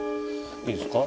いいっすか？